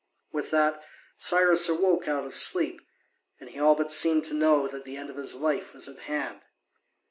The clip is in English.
With that Cyrus awoke out of sleep, and he all but seemed to know that the end of his life was at hand.